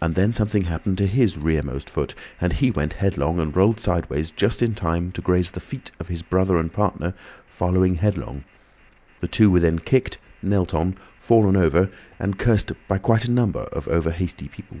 And then something happened to his rear most foot, and he went headlong and rolled sideways just in time to graze the feet of his brother and partner, following headlong. The two were then kicked, knelt on, fallen over, and cursed by quite a number of over hasty people.